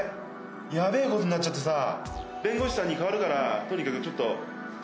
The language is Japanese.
やべえことになっちゃってさぁ弁護士さんにかわるからとにかくちょっと。